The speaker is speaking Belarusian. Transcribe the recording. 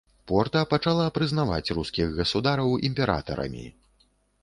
Порта пачала прызнаваць рускіх гасудараў імператарамі.